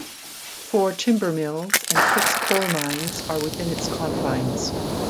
Four timber mills and six coalmines are within its confines.